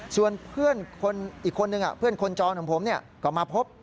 ส่วนเพื่อนอีกคนนึงเพื่อนคนจรของผมก็มาพบ